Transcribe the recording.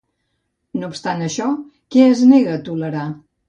No obstant això, què es nega a tolerar?